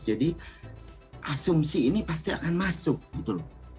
jadi asumsi ini pasti akan masuk gitu loh